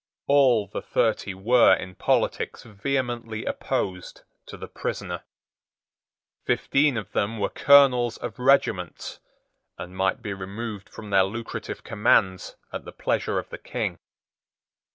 All the thirty were in politics vehemently opposed to the prisoner. Fifteen of them were colonels of regiments, and might be removed from their lucrative commands at the pleasure of the King.